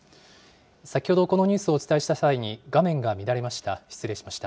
先ほどこのニュースをお伝えした際に、画面が乱れました。